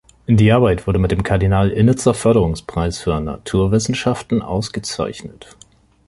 Die Arbeit wurde mit dem Kardinal-Innitzer-Förderungspreis für Naturwissenschaften ausgezeichnet.